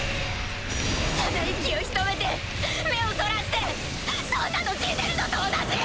ただ息を潜めて目をそらしてそんなの死んでるのと同じ！